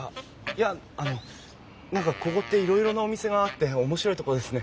あのここっていろいろなお店があって面白いとこですね。